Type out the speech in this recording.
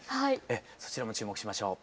そちらも注目しましょう。